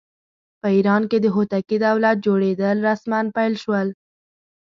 په ایران کې د هوتکي دولت جوړېدل رسماً پیل شول.